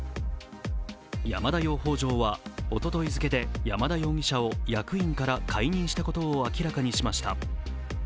山田養蜂場はおととい付で山田容疑者を役員から解任したことを明らかにしました。